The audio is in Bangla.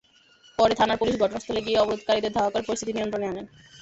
পরে থানার পুলিশ ঘটনাস্থলে গিয়ে অবরোধকারীদের ধাওয়া করে পরিস্থিতি নিয়ন্ত্রণে আনে।